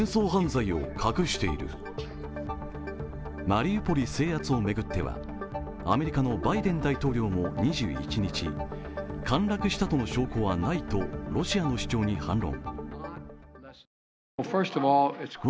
マリウポリ制圧を巡っては、アメリカのバイデン大統領も２１日、陥落したとの証拠はないとロシアの主張に反論。